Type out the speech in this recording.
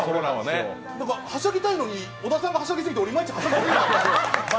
はしゃぎたいのに小田さんがはしゃいでいまいちはしゃげない。